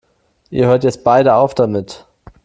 Ihr hört jetzt beide auf damit!